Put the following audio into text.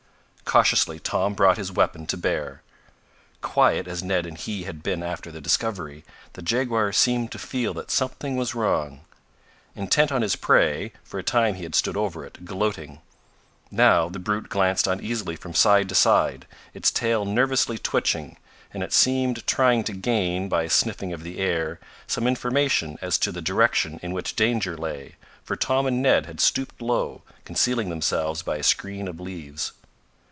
Cautiously Tom brought his weapon to bear. Quiet as Ned and he had been after the discovery, the jaguar seemed to feel that something was wrong. Intent on his prey, for a time he had stood over it, gloating. Now the brute glanced uneasily from side to side, its tail nervously twitching, and it seemed trying to gain, by a sniffing of the air, some information as to the direction in which danger lay, for Tom and Ned had stooped low, concealing themselves by a screen of leaves.